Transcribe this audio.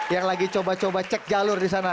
yang lagi coba coba cek jalur di sana